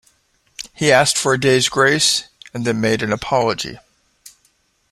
He asked for a day's grace, and then made an apology.